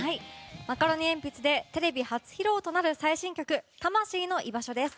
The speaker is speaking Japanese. マカロニえんぴつでテレビ初披露となる最新曲「たましいの居場所」です。